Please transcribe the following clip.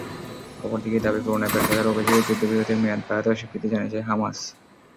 অপর দিকে দাবি পূরণে ব্যর্থতার অভিযোগে যুদ্ধবিরতির মেয়াদ বাড়াতে অস্বীকৃতি জানিয়েছে হামাস।